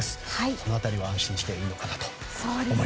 その辺りは安心していいんじゃないかと。